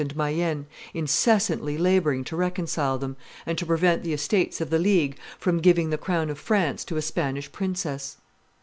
and Mayenne, incessantly laboring to reconcile them, and to prevent the estates of the League from giving the crown of France to a Spanish princess.